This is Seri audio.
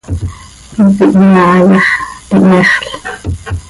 Hipi hyaa ha yax, ihmexl.